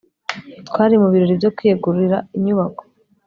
twari mu birori byo kwiyegurira inyubako